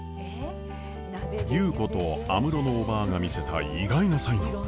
優子と安室のおばぁが見せた意外な才能！